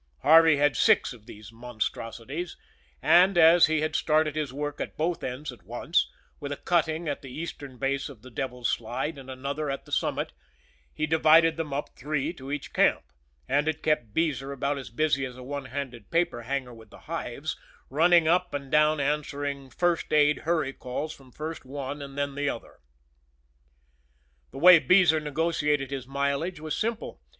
Harvey had six of these monstrosities, and, as he had started his work at both ends at once, with a cutting at the eastern base of the Devil's Slide and another at the summit, he divided them up three to each camp; and it kept Beezer about as busy as a one handed paper hanger with the hives, running up and down answering "first aid" hurry calls from first one and then the other. The way Beezer negotiated his mileage was simple.